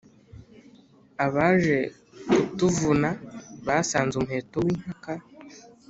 Abaje kutuvuna basanze umuheto w’Inkaka